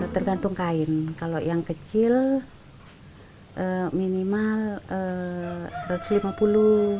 tergantung kain kalau yang kecil minimal rp satu ratus lima puluh